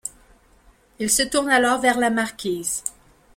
Il se tourne alors vers la marquise.